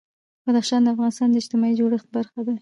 بدخشان د افغانستان د اجتماعي جوړښت برخه ده.